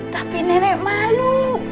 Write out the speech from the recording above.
tapi nenek malu